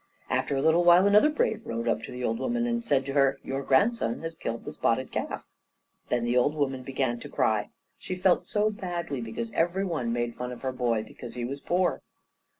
After a little while another brave rode up to the old woman, and said to her, "Your grandson has killed the spotted calf." Then the old woman began to cry, she felt so badly because every one made fun of her boy, because he was poor.